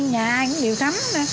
nhà ai cũng đều thắm